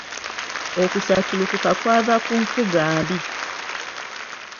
Okusattulukuka kwava ku nfuga mbi.